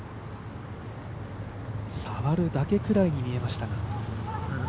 触るだけくらいに見えましたが。